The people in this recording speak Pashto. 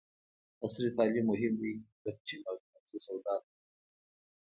عصري تعلیم مهم دی ځکه چې معلوماتي سواد لوړوي.